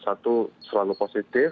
satu selalu positif